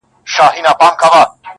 د موسی همسا ته ولاړم -